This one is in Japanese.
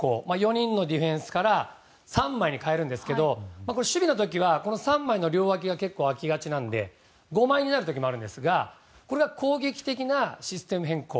４人のディフェンスから３枚に変えるんですけど守備の時は３枚の両脇が結構空きがちなので５枚になる時もあるんですがこれが攻撃的なシステム変更